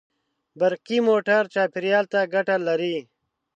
برقي موټر چاپېریال ته ګټه لري.